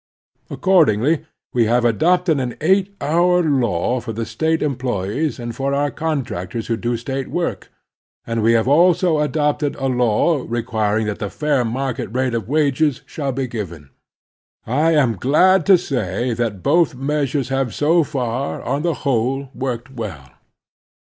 Accordingly, we have adopted an eight hour law for the State employees and for all contractors who do State work, and we have also adopted a law requiring that the fair market rate of wages shall be given. I am glad to say that both measures have so far, on the whole, worked well.